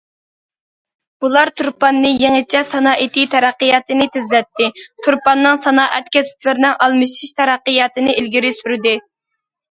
بۇلار تۇرپاننى يېڭىچە سانائىتى تەرەققىياتىنى تېزلەتتى، تۇرپاننىڭ سانائەت كەسىپلىرىنىڭ ئالمىشىش تەرەققىياتىنى ئىلگىرى سۈردى.